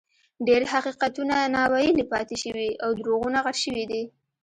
ډېر حقیقتونه ناویلي پاتې شوي او دروغونه غټ شوي دي.